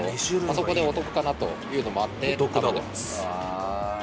そこでお得かなというのもあって食べてます。